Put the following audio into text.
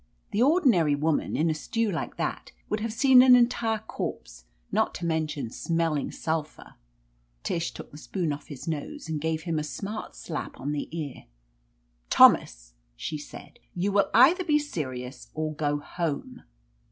The ordinary woman, in a stew like that, would have seen an entire corpse, not to mention smelling sulphur." r Tish took the spoon off his nose and gave him a smart slap on the ear. "Thomas !" she said, "you will either be seri ous or go home.